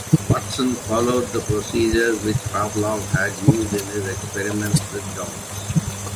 Watson followed the procedures which Pavlov had used in his experiments with dogs.